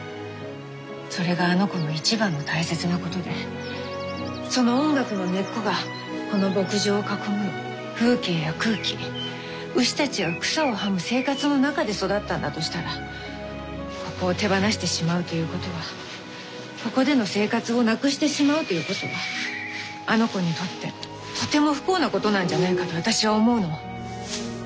それがあの子の一番の大切なことでその音楽の根っこがこの牧場を囲む風景や空気牛たちが草をはむ生活の中で育ったんだとしたらここを手放してしまうということはここでの生活をなくしてしまうということはあの子にとってとても不幸なことなんじゃないかと私は思うの。